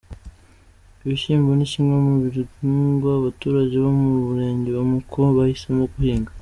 Ibishyimbo ni kimwe mu bihingwa abaturage bo mu murenge wa Muko bahisemo guhinga.